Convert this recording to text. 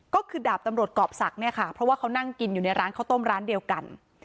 ก็คือดาบตำรวจกรอบศักดิ์เนี่ยค่ะเพราะว่าเขานั่งกินอยู่ในร้านข้าวต้มร้านเดียวกัน